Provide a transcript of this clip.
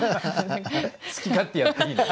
好き勝手やっていいの？